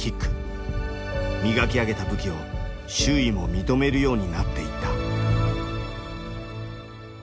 磨き上げた武器を周囲も認めるようになっていった。